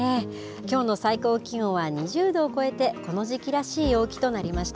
きょうの最高気温は２０度を超えて、この時期らしい陽気となりました。